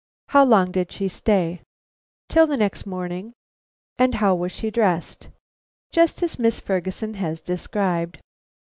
"How long did she stay?" "Till the next morning." "And how was she dressed?" "Just as Miss Ferguson has described."